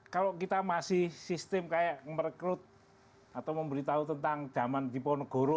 kalau kita masih sistem kayak merekrut atau memberitahu tentang zaman diponegoro